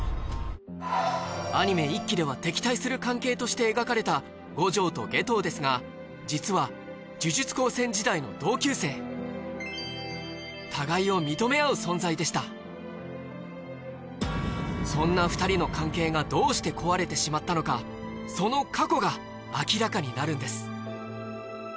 アニメ１期では敵対する関係として描かれた五条と夏油ですが実は呪術高専時代の同級生そんな２人の関係がどうして壊れてしまったのかその過去が明らかになるんです